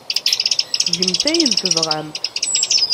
Gemt ayen tebɣamt.